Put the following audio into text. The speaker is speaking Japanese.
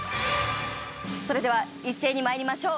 それでは一斉に参りましょう。